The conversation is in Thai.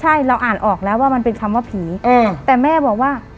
ใช่เราอ่านออกแล้วว่ามันเป็นคำว่าผีแต่แม่บอกว่า